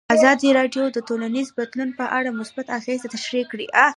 ازادي راډیو د ټولنیز بدلون په اړه مثبت اغېزې تشریح کړي.